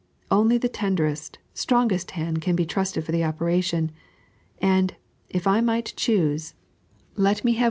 Only the tenderest, strongest haJid can be trusted for the operation ; and, if I might choose, let me have one 3.